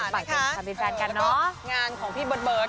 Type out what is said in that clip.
แล้วก็งานของพี่เบิร์ดเบิร์ด